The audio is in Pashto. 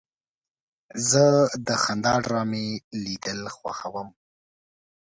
زه د خندا ډرامې لیدل خوښوم.